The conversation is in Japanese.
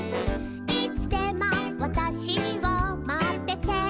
「いつでもわたしをまっててくれるの」